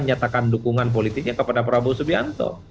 nyatakan dukungan politiknya kepada prabowo subianto